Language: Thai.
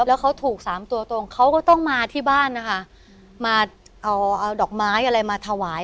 แล้วเขาถูกสามตัวตรงเขาก็ต้องมาที่บ้านนะคะมาเอาเอาดอกไม้อะไรมาถวาย